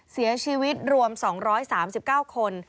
เสียชีวิตรวม๒๓๙คน